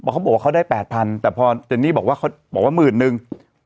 เขาบอกว่าเขาได้แปดพันแต่พอเจนี่บอกว่าเขาบอกว่ามืดหนึ่ง